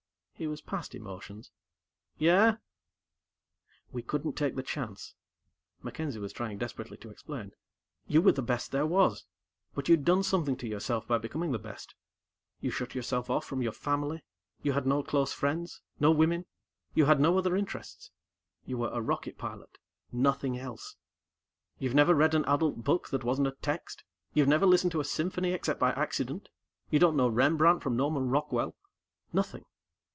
He was past emotions. "Yeah?" "We couldn't take the chance." MacKenzie was trying desperately to explain. "You were the best there was but you'd done something to yourself by becoming the best. You shut yourself off from your family. You had no close friends, no women. You had no other interests. You were a rocket pilot nothing else. You've never read an adult book that wasn't a text; you've never listened to a symphony except by accident. You don't know Rembrandt from Norman Rockwell. Nothing.